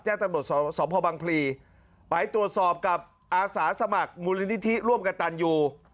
แจ้งตำโหลดสมพบังพลีไปตรวจสอบกับอาสาสมัครมูลนิธิร่วมกับตันอยู่